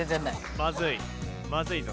まずい。